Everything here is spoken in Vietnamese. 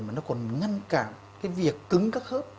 mà nó còn ngăn cản việc cứng các hớp